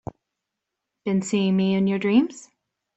Been seeing me in your dreams?